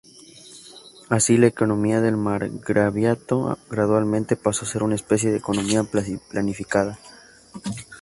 Así, la economía del margraviato gradualmente pasó a ser una especie de economía planificada.